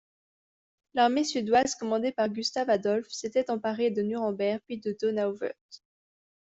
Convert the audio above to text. L'armée suédoise commandée par Gustave-Adolphe s'était emparée de Nuremberg puis de Donauwörth.